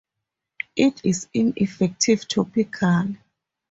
It is ineffective topically.